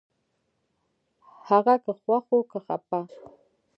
هغه که خوښ و که خپه